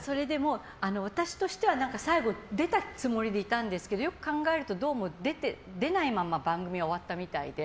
私としては最後出たつもりでいたんですけどよく考えると、どうも出ないまま番組は終わったみたいで。